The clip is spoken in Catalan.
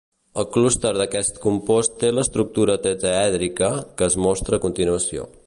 El clúster d'aquest compost té l'estructura tetraèdrica que es mostra a continuació.